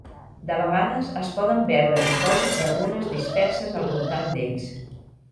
De vegades es poden veure dipòsits de runes disperses al voltant d'ells.